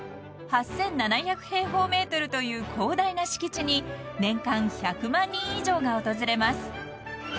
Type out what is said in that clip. ［８，７００平方ｍという広大な敷地に年間１００万人以上が訪れます］